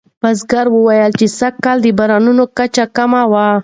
بزګر وویل چې سږکال د بارانونو کچه کمه وه.